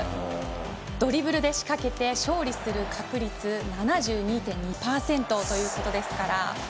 ドリブルで仕掛けて勝利する確率は７２．２％ということです。